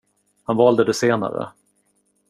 Han valde det senare.